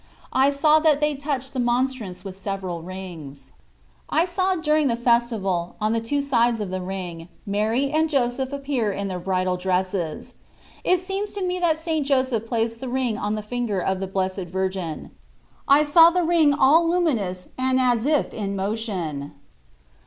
I saw that they touched the monstrance with several rings. I saw during the festival, on the two sides of the ring, Mary and Joseph appear in their bridal dresses. It seemed to me that St. Joseph placed the ring on the finger of the Blessed Virgin. I saw the ring all luminous and as if in motion.